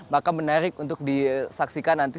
maka menarik untuk disakiti